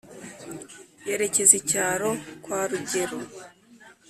yerekeza icyaro kwa rugero